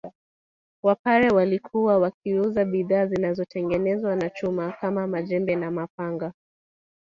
Wapare walikuwa wakiuza bidhaa zinazotengenezwa na chuma kama majembe na mapanga